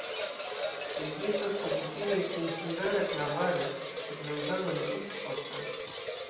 Ekzistas komputiloj kun hungara klavaro, sed la uzado ne estas ofta.